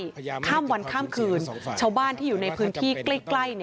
ข้ามวันข้ามคืนชาวบ้านที่อยู่ในพื้นที่ใกล้